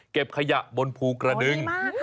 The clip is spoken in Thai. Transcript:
เก็บขยะบนภูกระดึง